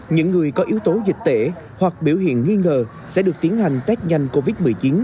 những người có yếu tố dịch tễ hoặc biểu hiện nghi ngờ sẽ được tiến hành test nhanh covid một mươi chín